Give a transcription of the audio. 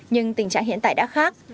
nhưng tình trạng hiện tại đã khác